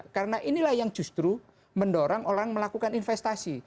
karena inilah yang justru mendorong orang melakukan investasi